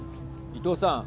伊藤さん。